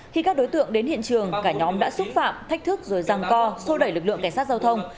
khi các đối tượng đến hiện trường cả nhóm đã xúc phạm thách thức rồi răng co sô đẩy lực lượng cảnh sát giao thông